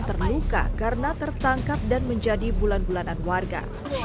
terluka karena tertangkap dan menjadi bulan bulanan warga